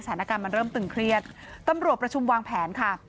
สถานการณ์มันเริ่มตึงเครียดตำรวจประชุมวางแผนค่ะ